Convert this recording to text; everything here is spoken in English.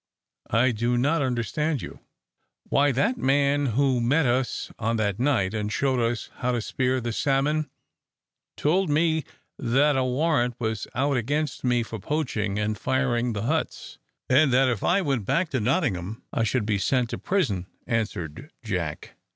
"I do not understand you." "Why, that the man who met us on that night, and showed us how to spear the salmon, told me that a warrant was out against me for poaching and firing the huts, and that if I went back to Nottingham I should be sent to prison," answered Jack.